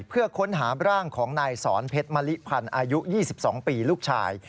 เพื่อค้นหาร่างของนายสอนเพชรมะลิพันธ์อายุ๒๒ปีลูกชาย